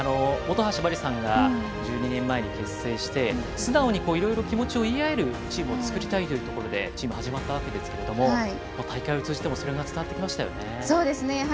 本橋麻里さんが１２年前に結成して素直にいろいろ気持ちを言い合えるチームを作りたいということでチームが始まったわけですが大会を通じてもそれが伝わってきましたね。